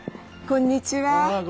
こんにちは。